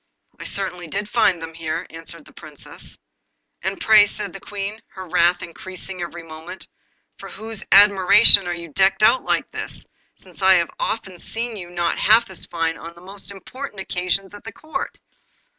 'I certainly did find them here,' answered the Princess. 'And pray,' said the Queen, her wrath increasing every moment, 'for whose admiration are you decked out like this, since I have often seen you not half as fine on the most important occasions at Court?